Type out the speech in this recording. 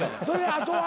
あとは？